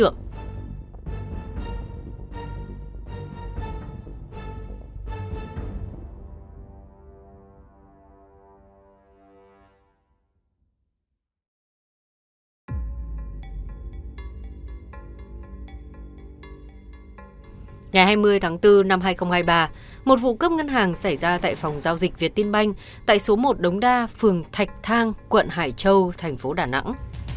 ngày hai mươi tháng bốn năm hai nghìn hai mươi ba một vụ cướp ngân hàng xảy ra tại phòng giao dịch việt tiên banh tại số một đống đa phường thạch thang quận hải châu thành phố đà nẵng